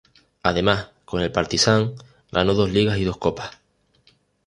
Además, con el Partizán, ganó dos ligas y dos copas.